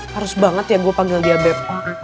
harus banget ya gue panggil dia beb